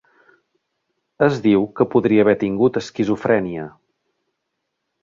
Es diu que podria haver tingut esquizofrènia.